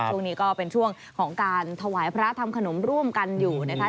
ช่วงนี้ก็เป็นช่วงของการถวายพระทำขนมร่วมกันอยู่นะคะ